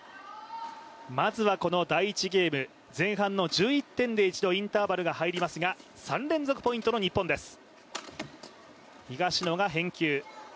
まずはこの第１ゲーム前半の１１点で一度、インターバルが入りますが３連続ポイントの日本です。